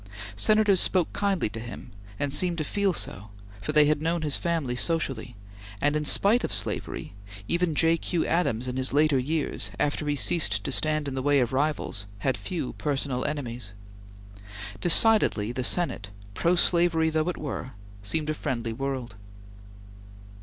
Senators spoke kindly to him, and seemed to feel so, for they had known his family socially; and, in spite of slavery, even J. Q. Adams in his later years, after he ceased to stand in the way of rivals, had few personal enemies. Decidedly the Senate, pro slavery though it were, seemed a friendly world.